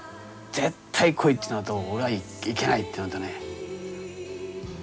「絶対来い！」っていうのと「俺は行けない」っていうのとね。